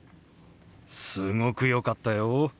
すごく良かったよ。